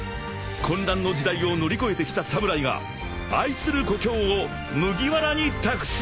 ［混乱の時代を乗り越えてきた侍が愛する故郷を麦わらに託す］